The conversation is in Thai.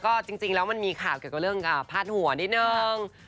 ก็จริงแล้วมันมีข่าวเกี่ยวกับเรื่องพาดหัวนิดนึง